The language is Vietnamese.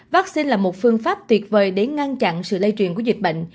vắc xin là một phương pháp tuyệt vời để ngăn chặn sự lây truyền của dịch bệnh